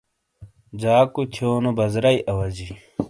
جاکو تھیونو بزرئی اواجئی ۔